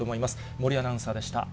森アナウンサーでした。